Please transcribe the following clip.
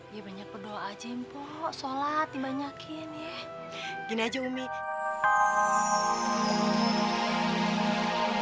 ya banyak berdoa aja mpok sholat dibanyakin ya